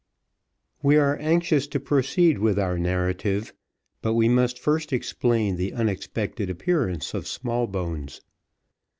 We are anxious to proceed with our narrative, but we must first explain the unexpected appearance of Smallbones.